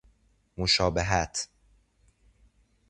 مشابهت